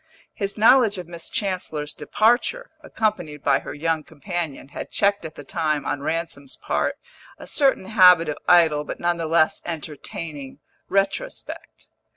His knowledge of Miss Chancellor's departure, accompanied by her young companion, had checked at the time, on Ransom's part, a certain habit of idle but none the less entertaining retrospect.